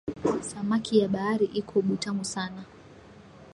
Samaki ya baari iko butamu sana